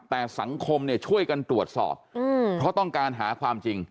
แต่สังคมเนี่ยช่วยกันตรวจสอบเพราะต้องการหาความจริง